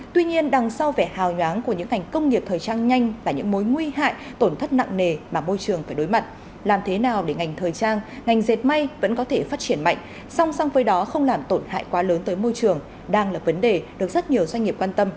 tuy nhiên đằng sau vẻ hào nhoáng của những ngành công nghiệp thời trang nhanh và những mối nguy hại tổn thất nặng nề mà môi trường phải đối mặt làm thế nào để ngành thời trang ngành dệt may vẫn có thể phát triển mạnh song song với đó không làm tổn hại quá lớn tới môi trường đang là vấn đề được rất nhiều doanh nghiệp quan tâm